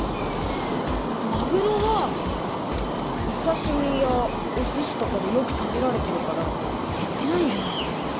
まぐろはおさしみやおすしとかでよく食べられてるからへってないんじゃないかな。